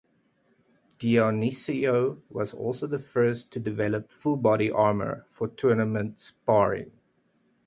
Dionisio was also the first to develop full-body armor for tournament sparring.